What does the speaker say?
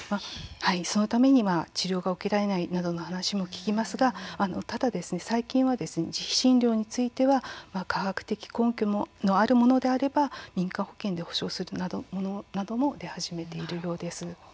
そのために治療が受けられないなどの話も聞きますがただ最近、自費診療については科学的根拠のあるものであれば民間保険で保障するものなども出始めているようです。